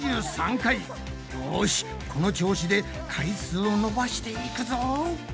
よしこの調子で回数を伸ばしていくぞ！